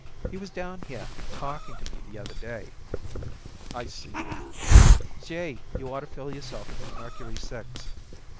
He was down here talking to me the other day." "I seen him." "Gee! you ought to feel yourself in his Mercury Six.